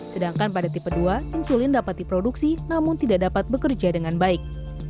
sedangkan pada tipe dua insulin dapat diproduksi namun tidak dapat bekerja dengan baik